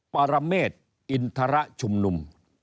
ปรเมษอินทรชุมนุม